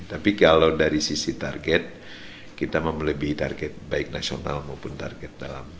tapi kalau dari sisi target kita melebihi target baik nasional maupun target dalam